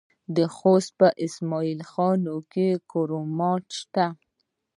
د خوست په اسماعیل خیل کې کرومایټ شته.